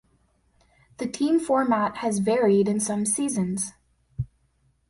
The team format has varied in some seasons.